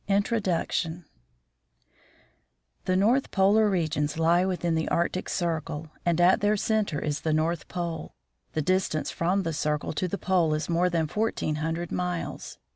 INTRODUCTION The north polar regions lie within the Arctic circle, and at their center is the North Pole. The distance from the circle to the pole is more than fourteen hundred miles.